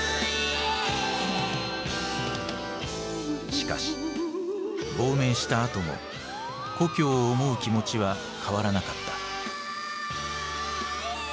しかし亡命したあとも故郷を思う気持ちは変わらなかった。